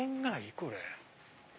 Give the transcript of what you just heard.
これ。